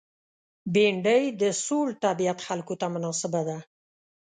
بېنډۍ د سوړ طبیعت خلکو ته مناسبه ده